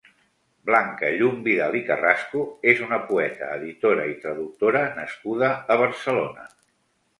Blanca Llum Vidal i Carrasco és una poeta, editora i traductora nascuda a Barcelona.